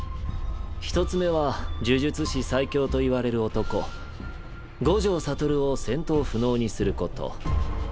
１つ目は呪術師最強といわれる男五条悟を戦闘不能にすること。